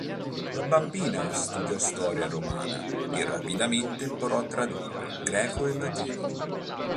Da bambina studiò storia romana e rapidamente imparò a tradurre greco e latino.